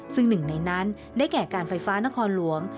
ซึ่งหนึ่งในนั้นได้แก่การไฟฟ้านครหลวง